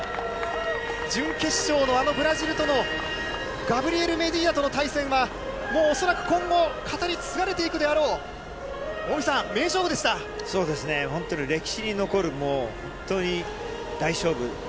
準決勝の、あのブラジルとの、ガブリエル・メディーナとの対戦は、もう恐らく今後、語り継がれていくであろう、近江さん、名勝負でした。